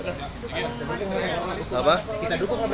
kita dukung kembali